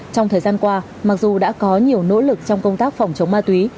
trong thời gian qua mặc dù đã có nhiều nỗ lực trong công tác phòng chống ma túy